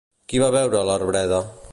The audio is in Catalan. Qui va veure a l'arbreda?